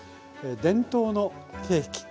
伝統のケーキ。